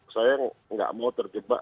saya nggak mau terjebak